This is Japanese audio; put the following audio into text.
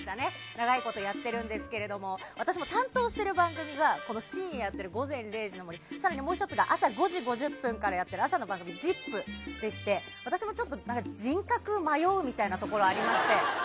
長いことやってるんですけども私、担当している番組がこの深夜やっている「午前０時の森」と朝５時５０分からやっている朝の番組「ＺＩＰ！」でして私も人格迷うみたいなところがありまして。